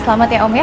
selamat ya om ya